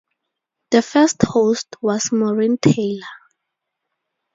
The first host was Maureen Taylor.